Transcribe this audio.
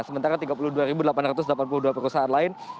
sementara tiga puluh dua delapan ratus delapan puluh dua perusahaan lain